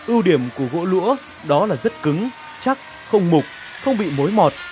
ưu điểm của gỗ lũa đó là rất cứng chắc không mục không bị mối mọt